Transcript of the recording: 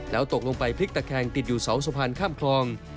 แล้วตกลงไปพลิกตะแคงติดอยู่เสาสะพานข้ามคลอง